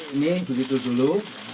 ini begitu dulu